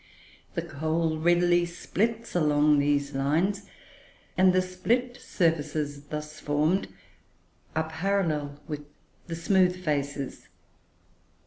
The coal readily splits along these lines, and the split surfaces thus formed are parallel with the smooth faces.